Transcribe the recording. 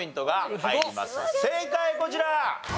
正解こちら。